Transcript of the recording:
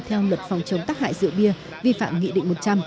theo luật phòng chống tác hại rượu bia vi phạm nghị định một trăm linh